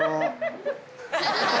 ハハハハ！